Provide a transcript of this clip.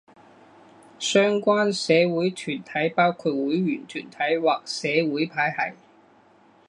相关社会团体包括会员团体或社会派系。